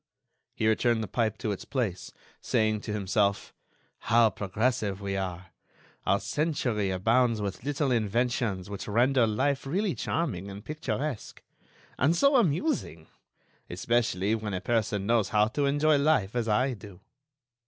He returned the pipe to its place, saying to himself: "How progressive we are! Our century abounds with little inventions which render life really charming and picturesque. And so amusing!... especially when a person knows how to enjoy life as I do."